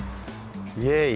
イエイ。